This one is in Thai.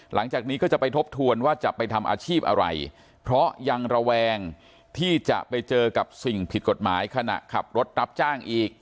หลังจากนี้ก็จะไปทบทวนว่าจะไปทำอาชีพอะไรเพราะยังระแวงที่จะไปเจอกับสิ่งผิดกฎหมายขณะขับรถรับจ้างอีก